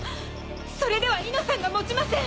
それではいのさんが持ちません。